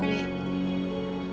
umurnya aja jauh banget bedanya